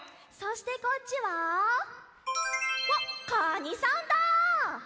そしてこっちはわっカニさんだ！